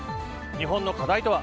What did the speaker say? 日本の課題とは。